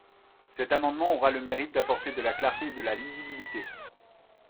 Cet amendement aura le mérite d’apporter de la clarté et de la lisibilité.